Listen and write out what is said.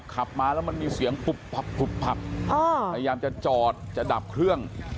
ขับมาแล้วมันมีเสียงผับพยายามจะจอดจะดับเครื่อง